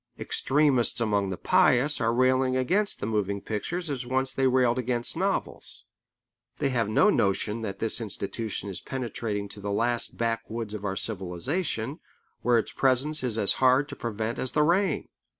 Extremists among the pious are railing against the moving pictures as once they railed against novels. They have no notion that this institution is penetrating to the last backwoods of our civilization, where its presence is as hard to prevent as the rain.